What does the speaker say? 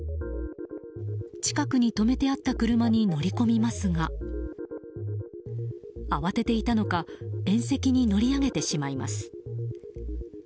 近くに止めてあった車に乗り込みますが慌てていたのか縁石に乗り上げてしまいます。